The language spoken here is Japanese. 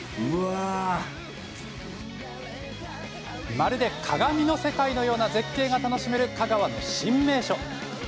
まるで鏡の世界のような絶景が楽しめる香川の新名所。